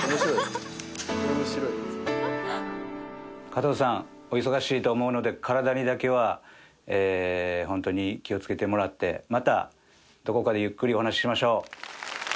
加藤さんお忙しいと思うので体にだけはホントに気を付けてもらってまたどこかでゆっくりお話ししましょう。